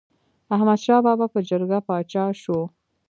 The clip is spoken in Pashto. احمد شاه بابا په جرګه پاچا شو.